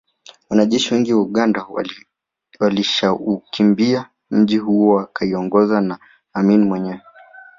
Wanajeshi wengi wa Uganda walishaukimbia mji huo wakiongozwa na Amin mwenyewe